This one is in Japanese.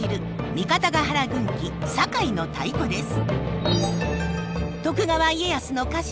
「三方ヶ原軍記酒井の太鼓」です。